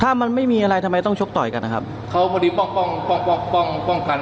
ถ้ามันไม่มีอะไรทำไมต้องชกต่อยกันนะครับเขาพอดีป้องป้องป้องป้องป้องป้องกัน